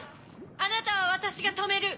あなたは私が止める。